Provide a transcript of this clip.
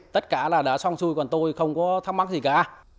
tất cả là đã xong xui còn tôi không có thắc mắc gì cả